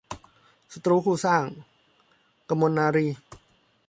ศัตรูคู่สร้าง - กมลนารีย์